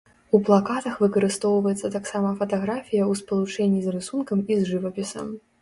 У плакатах выкарыстоўваецца таксама фатаграфія ў спалучэнні з рысункам і з жывапісам.